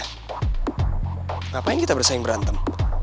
ngapain kita bersaing berantem